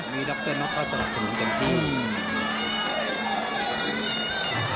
จับเตอร์น็อตก็สำหรับที่มันเป็นพิมพ์